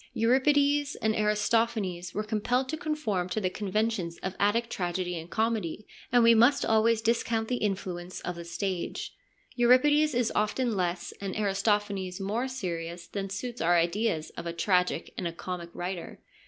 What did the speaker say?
Euripides and THE SOCRATIC CIRCLE 137 Aristophanes were compelled to conform to the conventions of Attic tragedy and comedy, and we must always discount the influence of the stage ; Euripides is often less and Aristophanes more serious than suits our ideas of a tragic and a comic writer.